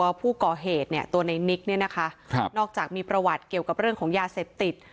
ผู้ก่อเหตุเนี่ยตัวในนิกเนี่ยนะคะครับนอกจากมีประวัติเกี่ยวกับเรื่องของยาเสพติด